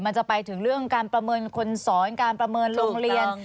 มันจะไปถึงเรื่องการประเมินคนสอนการประเมินโรงเรียน